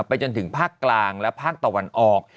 จนถึงภาคกลางและภาคตะวันออก